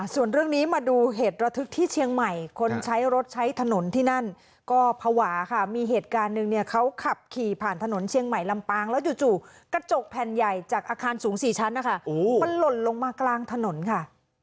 ส่วนเรื่องนี้มาดูเหตุระทึกที่เชียงใหม่คนใช้รถใช้ถนนที่นั่นก็ภาวะค่ะมีเหตุการณ์หนึ่งเนี่ยเขาขับขี่ผ่านถนนเชียงใหม่ลำปางแล้วจู่กระจกแผ่นใหญ่จากอาคารสูง๔ชั้นนะคะมันหล่นลงมากลางถนนค่ะ